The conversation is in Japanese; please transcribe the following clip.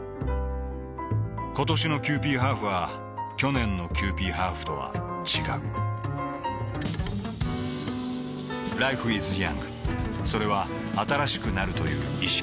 ことしのキユーピーハーフは去年のキユーピーハーフとは違うＬｉｆｅｉｓｙｏｕｎｇ．それは新しくなるという意識